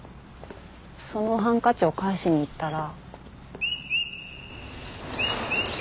そのハンカチを返しに行ったら。